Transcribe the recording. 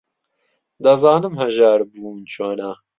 دەزانم ھەژار بوون چۆنە.